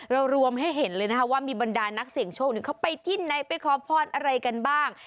รวมให้เห็นเลยนะคะว่ามีบรรดานักเสี่ยงโชคเขาไปที่ไหนไปขอพรอะไรกันบ้าง